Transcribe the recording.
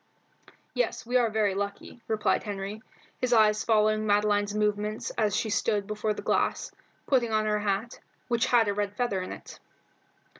"Yes, we are very lucky," replied Henry, his eyes following Madeline's movements as she stood before the glass, putting on her hat, which had a red feather in it.